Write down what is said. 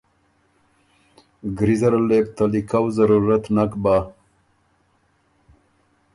ګری زره لې بو ته لیکؤ ضرورت نک بۀ۔